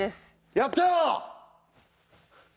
やった！